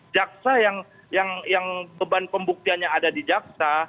jaksa yang beban pembuktiannya ada di jaksa